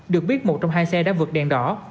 được biết một trong hai xe đã vượt đèn đỏ